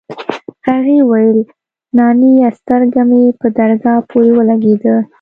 هغې وويل نانيه سترگه مې په درگاه پورې ولگېده.